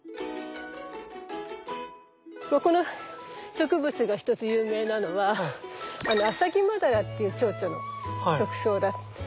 まあこの植物が一つ有名なのはアサギマダラっていうチョウチョウの食草だっていうことなんですね。